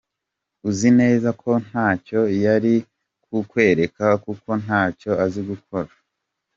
uzi neza ko ntacyo yari kukwereka kuko ntacyo azi gukora.